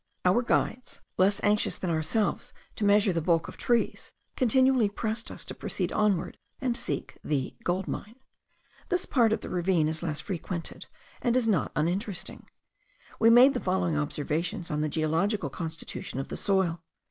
Our guides, less anxious than ourselves to measure the bulk of trees, continually pressed us to proceed onward and seek the 'gold mine.' This part of the ravine is little frequented, and is not uninteresting. We made the following observations on the geological constitution of the soil.